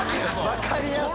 分かりやすく。